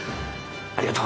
ありがと